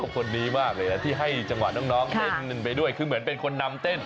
คนนี้มากเลยนะที่ให้จังหวะน้องเต้นไปด้วยคือเหมือนเป็นคนนำเต้น